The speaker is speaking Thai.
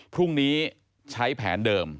พรุ่งนี้ใช้แผนเดิม